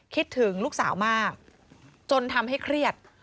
คิดถึงลูกสาวมากจนทำให้เครียด